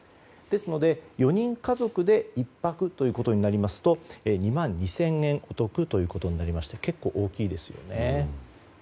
ですので、４人家族で１泊ということになりますと２万２０００円お得ということになりますと結構、大きいですよね。